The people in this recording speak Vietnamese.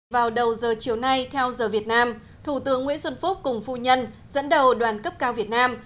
vào đầu giờ chiều nay theo giờ việt nam thủ tướng nguyễn xuân phúc cùng phu nhân dẫn đầu đoàn cấp cao việt nam